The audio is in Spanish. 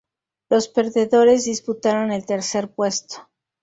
Los perdedores disputaron el tercer puesto.